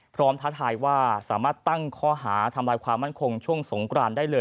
ท้าทายว่าสามารถตั้งข้อหาทำลายความมั่นคงช่วงสงกรานได้เลย